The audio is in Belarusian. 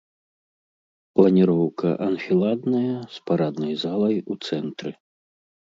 Планіроўка анфіладная з параднай залай у цэнтры.